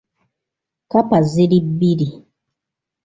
Kkapa ziri bbiri .